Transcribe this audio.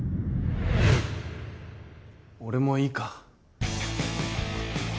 俺もいいか？